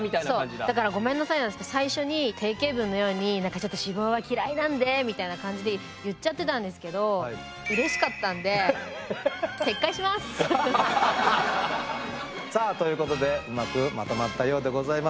だからごめんなさいなんですけど最初に定型文のように何かちょっと「脂肪は嫌いなんで」みたいな感じで言っちゃってたんですけどさあということでうまくまとまったようでございます。